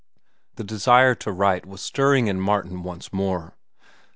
The desire to write was stirring in Martin once more.